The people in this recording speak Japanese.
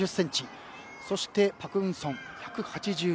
そしてパク・ウンソン、１８２ｃｍ。